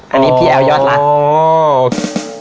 อันนี้พี่แอ๋วยอดรัฐอ๋อ